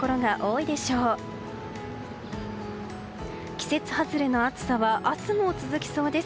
季節外れの暑さは明日も続きそうです。